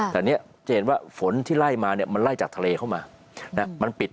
แต่นี้จะเห็นว่าฝนที่ไล่มามันไล่จากทะเลเข้ามา